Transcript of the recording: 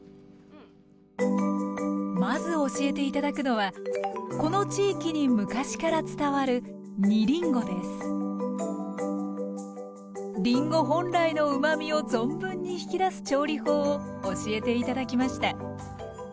まず教えて頂くのはこの地域に昔から伝わるりんご本来のうまみを存分に引き出す調理法を教えて頂きました